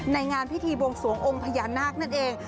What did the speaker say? งานพิธีบวงสวงองค์พญานาคนั่นเอง